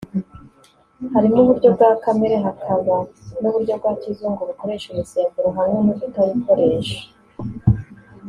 harimo uburyo bwa kamere hakaba n'uburyo bwa kizungu bukoresha imisemburo hamwe n'ubutayikoresha